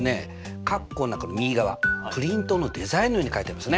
括弧の中の右側プリントのデザインのように書いてありますね。